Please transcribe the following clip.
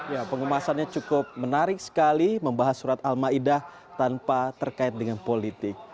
ya pengemasannya cukup menarik sekali membahas surat al ma'idah tanpa terkait dengan politik